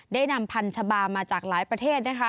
ได้นำพันธุ์ฉบามาจากหลายประเทศ